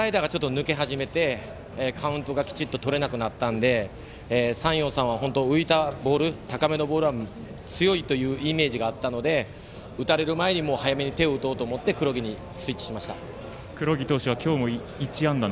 スライダーが抜け始めてカウントがきちっととれなくなったので山陽さんは、浮いた球が強いというイメージがあったので打たれる前に早めに手を打とうと思って黒木にスイッチしました。